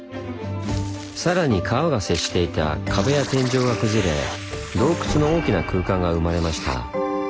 さらに川が接していた壁や天井が崩れ洞窟の大きな空間が生まれました。